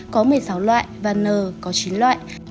có một mươi sáu loại và n có chín loại